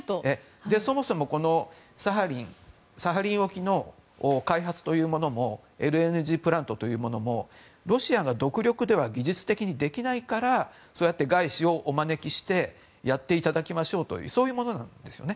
そもそもサハリン沖の開発というものもＬＮＧプラントというものもロシアが独力では技術的にできないからそうやって外資をお招きしてやっていただきましょうとそういうものなんです。